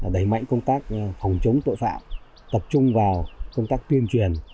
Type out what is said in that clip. đẩy mạnh công tác phòng chống tội phạm tập trung vào công tác tuyên truyền